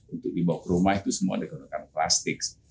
untuk dibawa ke rumah itu semua di gunakan plastik